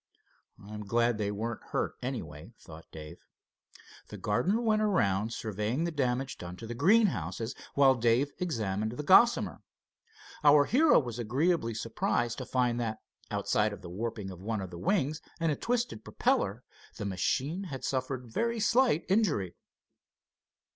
"I'm glad they weren't hurt, anyway," thought Dave. The gardener went around, surveying the damage done to the greenhouses, while Dave examined the Gossamer. Our hero was agreeably surprised to find that outside of the warping of one of the wings and a twisted propeller, the machine had suffered very slight injury.